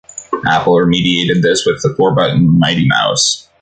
Apple remedied this with the four-button Mighty Mouse.